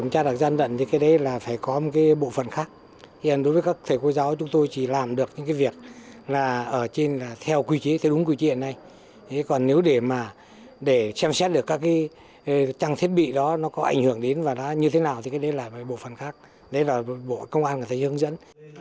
theo quy chế theo đúng quy chế hiện nay còn nếu để mà để xem xét được các cái trang thiết bị đó nó có ảnh hưởng đến và nó như thế nào thì cái đấy là bộ phần khác đấy là bộ công an có thể hướng dẫn